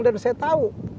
dan saya tau